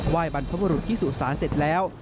ไหว้บรรพบรุษที่สู่ศาลเสร็จแล้ว